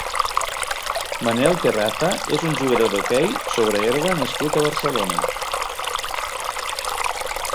Manel Terraza és un jugador d'hoquei sobre herba nascut a Barcelona.